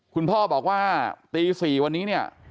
คุณพ่อบอกว่าตี๔วันนี้เนี่ย